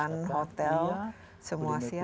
penginapan hotel semua siap